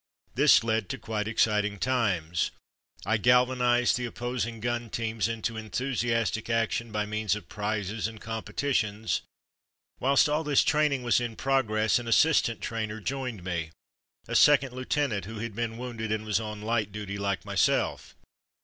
This led to quite exciting times. I galvanized the opposing gun teams into enthusiastic action by means of prizes and competitions. Whilst all this training was in progress an assistant trainer joined me — a second lieutenant, who had been wounded, 62 From Mud to Mufti and was on light duty like myself.